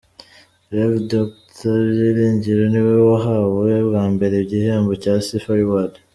Rev Dr Byiringiro niwe wahawe bwa mbere igihembo cya Sifa Reward .